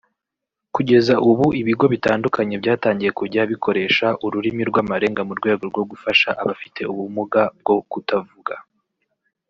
Kugeza ubu ibigo bitandukanye byatangiye kujya bikoresha ururimi rw’amarenga mu rwego rwo gufasha abafite ubumuga bwo kutavuga